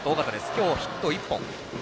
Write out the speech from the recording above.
今日ヒット１本。